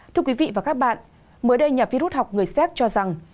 thưa quý vị và các bạn mới đây nhà vi rút học người xét cho rằng